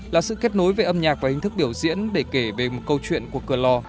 là sự kết nối về âm nhạc và hình thức biểu diễn để kể về một câu chuyện của cửa lò